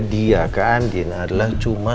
dia ke andin adalah cuma